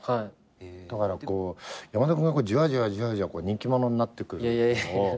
だから山田君がじわじわじわじわ人気者になってくのを。